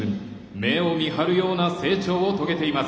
目を見張るような成長を遂げています。